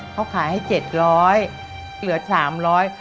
เขาขายให้เจ็ดร้อยเหลือสามร้อย